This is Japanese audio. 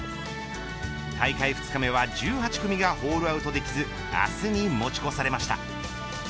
大会２日目は１８組がホールアウトできず明日に持ち越されました。